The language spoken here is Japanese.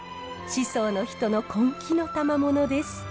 宍粟の人の根気のたまものです。